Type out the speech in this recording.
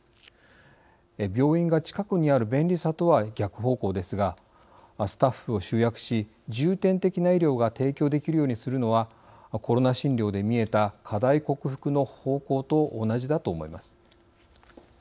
病院が近くにある便利さとは逆方向ですがスタッフを集約し重点的な医療が提供できるようにするのはコロナ診療で見えた課題克服の方向と同じだと思います。